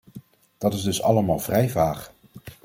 Dat is dus allemaal vrij vaag.